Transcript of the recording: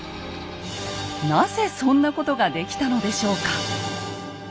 なぜそんなことができたのでしょうか？